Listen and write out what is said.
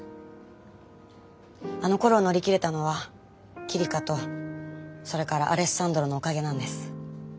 あのころを乗り切れたのは希梨香とそれからアレッサンドロのおかげなんです。